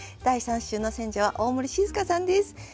第３週の選者は大森静佳さんです。